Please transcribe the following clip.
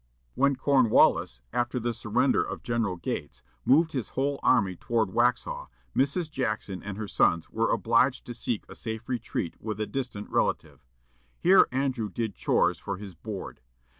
When Cornwallis, after the surrender of General Gates, moved his whole army toward Waxhaw, Mrs. Jackson and her sons were obliged to seek a safe retreat with a distant relative. Here Andrew did "chores" for his board.